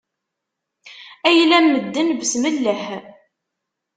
Ayla n medden besmelleh!